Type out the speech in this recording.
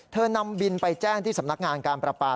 นำบินไปแจ้งที่สำนักงานการประปา